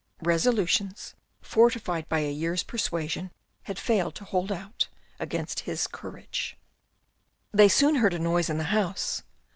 Resolutions, fortified by a year's persuasion, had failed to hold out against his courage. They soon heard a noise in the house.